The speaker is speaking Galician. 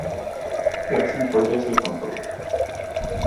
E así podería seguir con todo.